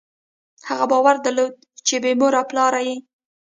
هغه باور درلود، چې بېمور او بېپلاره دی.